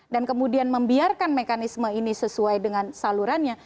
dan kemudian membiarkan mekanisme ini sesuai dengan salurannya